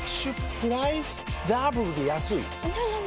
プライスダブルで安いＮｏ！